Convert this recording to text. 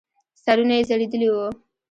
سرونه يې ځړېدلې وو.